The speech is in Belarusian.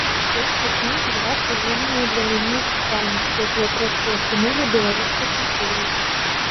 Ёсць у кнізе два прыемныя для мяне апісанні, якія трошкі ахінулі беларускай культурай.